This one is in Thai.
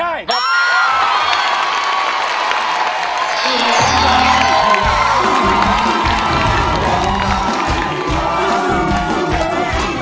โรงใจโรงใจโรงใจ